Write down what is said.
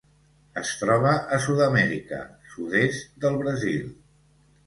Es troba a Sud-amèrica: sud-est del Brasil.